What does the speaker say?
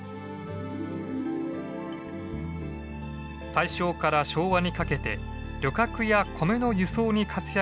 大正から昭和にかけて旅客や米の輸送に活躍したこの路線。